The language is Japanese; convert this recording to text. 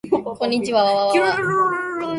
こんにちわわわわ